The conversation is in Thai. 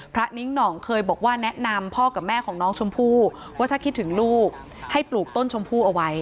นิ้งหน่องเคยบอกว่าแนะนำพ่อกับแม่ของน้องชมพู่ว่าถ้าคิดถึงลูกให้ปลูกต้นชมพู่เอาไว้